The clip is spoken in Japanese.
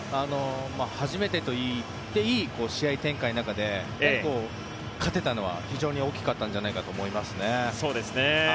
初めてといっていい試合展開の中で勝てたのは非常に大きかったんじゃないかなと思いますね。